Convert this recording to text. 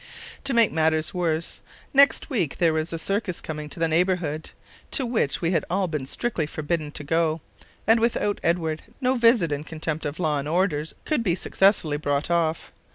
To make matters worse, next week there was a circus coming to the neighbourhood, to which we had all been strictly forbidden to go; and without Edward no visit in contempt of law and orders could be successfully brought off.